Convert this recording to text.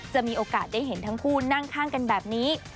มีโอกาสได้เห็นทั้งคู่นั่งข้างกันแบบนี้